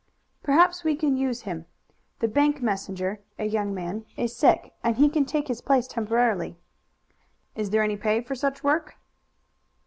"Perhaps we can use him. The bank messenger a young man is sick, and he can take his place temporarily." "Is there any pay for such work?"